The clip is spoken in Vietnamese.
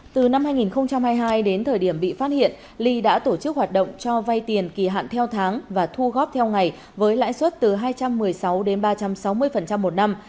từ năm hai nghìn hai mươi hai đến thời điểm bị phát hiện ly đã tổ chức hoạt động cho vay tiền kỳ hạn theo tháng và thu góp theo ngày với lãi suất từ hai trăm một mươi sáu đến ba trăm sáu mươi một năm